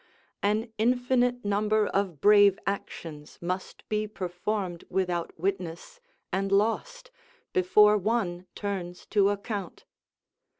An infinite number of brave actions must be performed without witness and lost, before one turns to account.